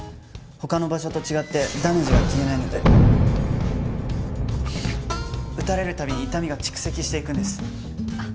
他の場所と違ってダメージが消えないので打たれる度に痛みが蓄積していくんです。